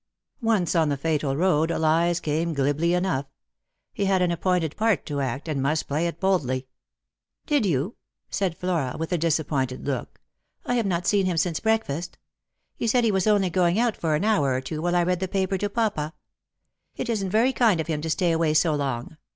Once on the fatal road, lies came glibly enough. He had an appointed part to act, aj»d must play it boldly. " Did you ?" said Flora, with a disappointed look. " I have not seen him since breakfast. He said he was only going out for an hour or two, while I read the paper to papa. It isn't very kind of him to stay away so long.